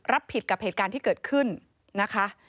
รับผิดกับเหตุการณ์ที่เกิดขึ้นนะคะ